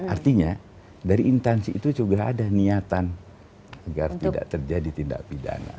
artinya dari intansi itu juga ada niatan agar tidak terjadi tindak pidana